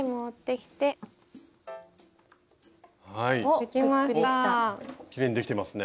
きれいにできてますね。